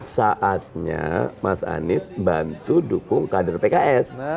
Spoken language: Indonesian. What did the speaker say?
saatnya mas anies bantu dukung kader pks